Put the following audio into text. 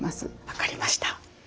分かりました。